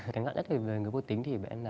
cái ngã nhất về người vô tính thì